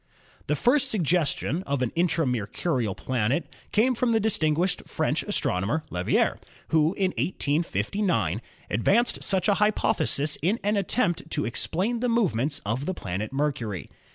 The first suggestion of an intra Mercurial planet came from the distinguished French astronomer, Leverrier, who in 1859 advanced such a hypothesis in an attempt to explain the movements of the planet Mercury.